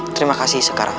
terima kasih isakaroro